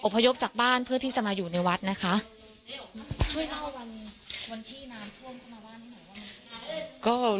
อพยพจากบ้านเพื่อที่จะมาอยู่ในวัดนะคะช่วยเล่าวันนี้วันที่น้ำท่วมเข้ามาบ้าน